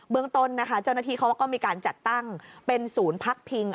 เมืองต้นนะคะเจ้าหน้าที่เขาก็มีการจัดตั้งเป็นศูนย์พักพิง